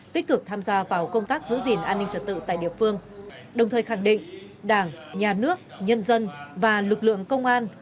tích cực tham gia vào công tác giữ gìn an ninh trật tự tại địa phương đồng thời khẳng định đảng nhà nước nhân dân và lực lượng công an